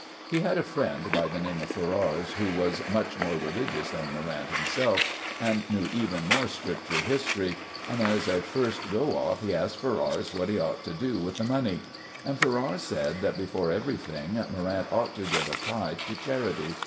He had a friend by the name of Ferrars, who was much more religious than Morrant himself, and knew even more Scripture history; and as a first go off he asked Ferrars what he ought to do with the money. And Ferrars said that before everything Morrant ought to give a tithe to charity.